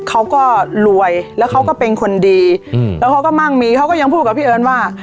เขาก็รวยแล้วเขาก็เป็นคนดีอืมแล้วเขาก็มั่งมีเขาก็ยังพูดกับพี่เอิญว่า